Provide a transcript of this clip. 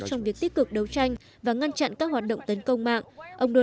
trong việc tích cực đấu tranh và ngăn chặn các hoạt động tấn công mạng